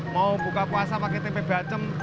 mau buka puasa pakai tempe bacem